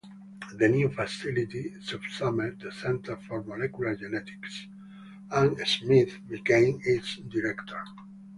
The new facility subsumed the Centre for Molecular Genetics, and Smith became its director.